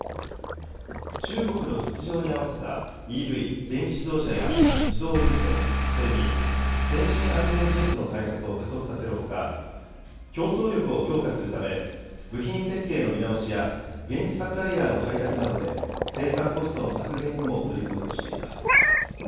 中国の実情に合わせたＥＶ・電気自動車や自動運転、それに先進安全技術の開発を加速させるほか、競争力を強化するため、部品設計の見直しや、現地サプライヤーの開拓などで、生産コストの削減にも取り組むとしています。